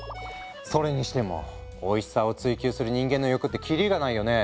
それにしてもおいしさを追求する人間の欲って切りがないよね。